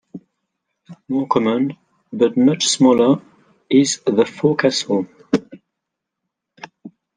More common, but much smaller, is the forecastle.